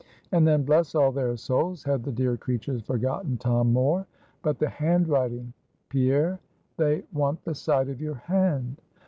And then bless all their souls! had the dear creatures forgotten Tom Moore? But the handwriting, Pierre, they want the sight of your hand.